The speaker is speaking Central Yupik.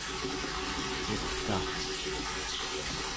pirta